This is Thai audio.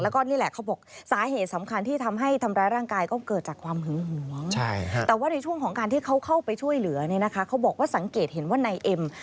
แล้วก็นี่แหละเขาบอกสาเหตุสำคัญที่ทำให้ทำร้ายร่างกาย